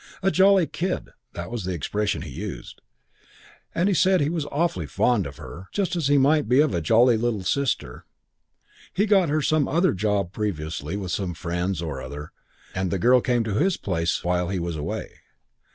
'A jolly kid,' that was the expression he used, and he said he was awfully fond of her just as he might be of a jolly little sister. He got her some other job previously with some friends or other, and then the old lady there died and the girl came to his place while he was away.